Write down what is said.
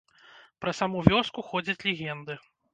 Пра саму вёску ходзяць легенды.